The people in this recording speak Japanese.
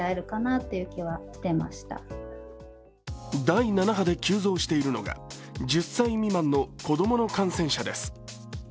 第７波で急増しているのが１０歳未満の子供の感染者です。